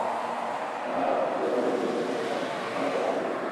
টানা সাত সাতটি ওভার মেডেন করে দক্ষিণ আফ্রিকার রানের চাকা আটকে দিয়েছিলেন।